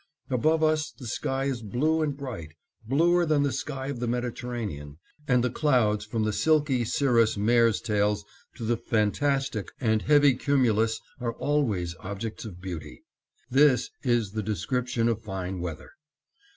Above us the sky is blue and bright, bluer than the sky of the Mediterranean, and the clouds from the silky cirrus mare's tails to the fantastic and heavy cumulus are always objects of beauty. This is the description of fine weather.